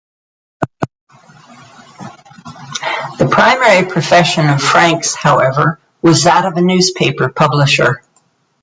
The primary profession of Franks, however, was that of a newspaper publisher.